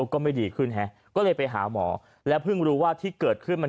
ก็ไม่ดีขึ้นฮะก็เลยไปหาหมอและเพิ่งรู้ว่าที่เกิดขึ้นมัน